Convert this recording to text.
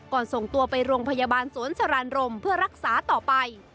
ส่งตัวไปโรงพยาบาลสวนสรานรมเพื่อรักษาต่อไป